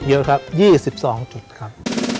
เยอะครับ๒๒จุดครับ